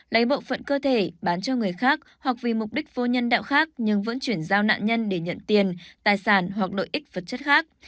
lấy bộ phận cơ thể bán cho người khác hoặc vì mục đích vô nhân đạo khác nhưng vẫn chuyển giao nạn nhân để nhận tiền tài sản hoặc lợi ích vật chất khác